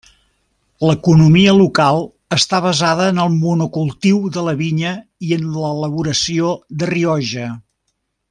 L'economia local està basada en el monocultiu de la vinya i en l'elaboració de Rioja.